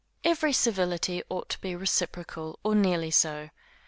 Every civility ought to be reciprocal, or nearly so.